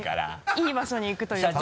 いい場所に行くということで。